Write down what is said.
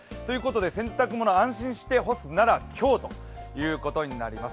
洗濯物、安心して干すなら今日ということになります。